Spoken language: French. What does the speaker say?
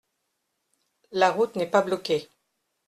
La route n’est pas bloquée.